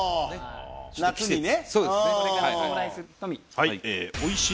はい。